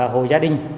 hồi gia đình